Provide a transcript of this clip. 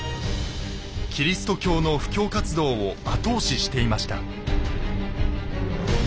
キリスト教の布教活動を後押ししていました。